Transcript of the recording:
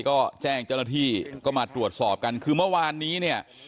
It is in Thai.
ก็แจ้งเจ้าหน้าที่ก็มาตรวจสอบกันคือเมื่อวานนี้เนี่ย